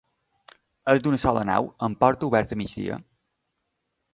És d'una sola nau, amb porta oberta a migdia.